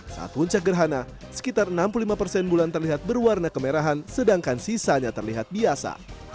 saat puncak gerhana sekitar enam puluh lima persen bulan terlihat berwarna kemerahan sedangkan sisanya terlihat biasa